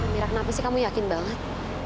mirip apa sih kamu yakin banget